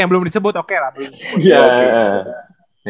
yang belum disebut oke lah